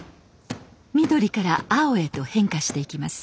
緑から青へと変化していきます。